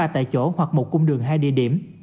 ba tại chỗ hoặc một cung đường hai địa điểm